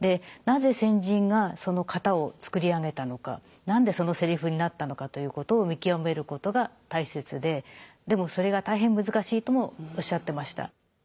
なぜ先人がその型を作り上げたのか何でそのせりふになったのかということを見極めることが大切ででもそれが大変難しいともおっしゃってました。